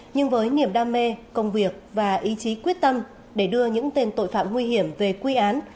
nhưng với niềm đam mê công việc và ý chí quyết tâm để đưa những tên tội phạm nguy hiểm về quy án